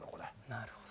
なるほど。